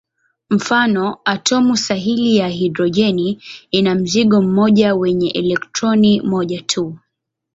Mfano: atomu sahili ya hidrojeni ina mzingo mmoja wenye elektroni moja tu.